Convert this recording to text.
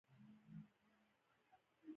دا څرګندونه د تفکر نوې لاره شوه.